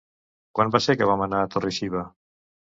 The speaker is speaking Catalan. Quan va ser que vam anar a Torre-xiva?